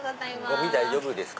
ゴミ大丈夫ですか？